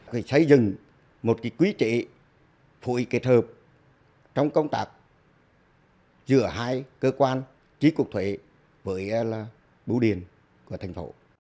phải xây dựng một cái quý trị phụ y kết hợp trong công tác giữa hai cơ quan trí cục thuế với bú điền của thành phố